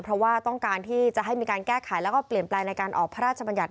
เพราะว่าต้องการที่จะให้มีการแก้ไขแล้วก็เปลี่ยนแปลงในการออกพระราชบัญญัติ